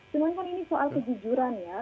cuma kan ini soal kejujuran ya